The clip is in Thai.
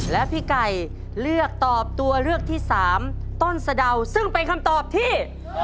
และพี่ไก่เลือกตอบตัวเลือกที่สามต้นสะดาวซึ่งเป็นคำตอบที่